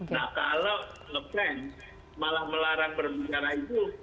nah kalau ngepren malah melarang berbicara itu